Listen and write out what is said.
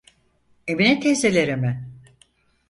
Emine teyzelere mi?